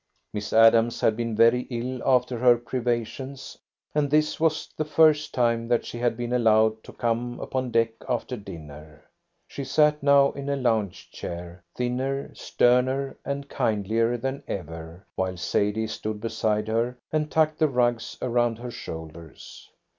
Miss Adams had been very ill after her privations, and this was the first time that she had been allowed to come upon deck after dinner. She sat now in a lounge chair, thinner, sterner, and kindlier than ever, while Sadie stood beside her and tucked the rugs around her shoulders.